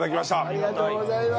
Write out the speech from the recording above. ありがとうございます！